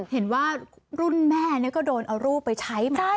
เห็นว่ารุ่นแม่ก็โดนเอารูปไปใช้มา